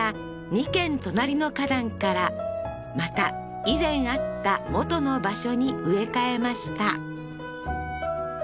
２軒隣の花壇からまた以前あった元の場所に植え替えました